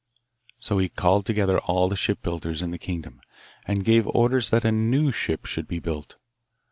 So he called together all the shipbuilders in the kingdom, and gave orders that a new ship should be built.